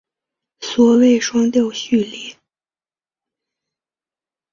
所谓双调序列。